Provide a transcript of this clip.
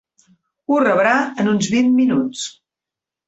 Ho rebrà en uns vint minuts.